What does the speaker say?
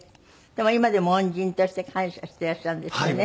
でも今でも恩人として感謝していらっしゃるんですってね。